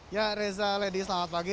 ya reza lady selamat pagi